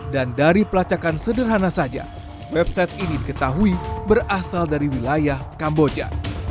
dan dari pelacakan sederhana saja website ini diketahui berasal dari wilayah kamboja